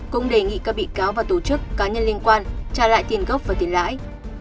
cũng đề nghị các bị cáo và tổ chức cá nhân liên quan trả lại tiền gốc và tiền lãi